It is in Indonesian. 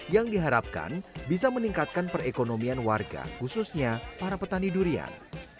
yang diharapkan bisa meningkatkan perekonomian warga khususnya para petani durian